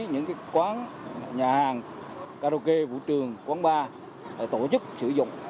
những quán nhà hàng karaoke vũ trường quán bar tổ chức sử dụng